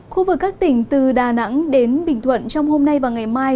khu vực các tỉnh từ đà nẵng đến bình thuận trong hôm nay và ngày mai